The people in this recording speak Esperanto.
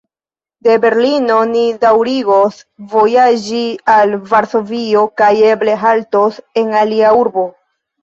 De Berlino ni daŭrigos vojaĝi al Varsovio kaj eble haltos en alia urbo.